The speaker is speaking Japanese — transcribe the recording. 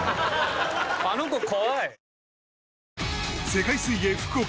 あの子怖い。